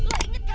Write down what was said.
lo inget gak sih